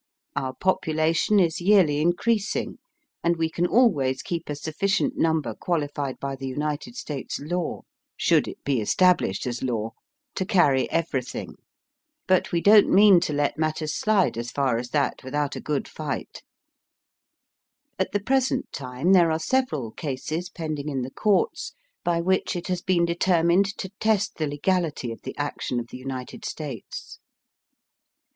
Our population is yearly increasing, and we can always keep a sufficient number qualified by the United States law — should it be estab lished as law — to carry everything. But we don't mean to let matters slide as far as that without a good fight." At the present time there are several cases pending in the Courts by which it has been determined to test the legality of the action of the United States.